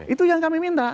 itu yang kami minta